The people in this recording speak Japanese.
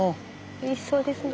おいしそうですね。